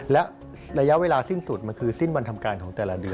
และระยะเวลาสิ้นสุดมันคือสิ้นวันทำการของแต่ละเดือน